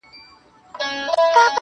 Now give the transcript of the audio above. پر دې دُنیا سوځم پر هغه دُنیا هم سوځمه.